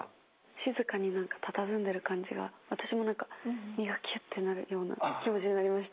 静かにたたずんでる感じが私もなんか身がきゅっとなるような気持ちになりました。